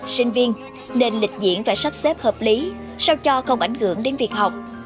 sinh viên nên lịch diễn và sắp xếp hợp lý sao cho không ảnh hưởng đến việc học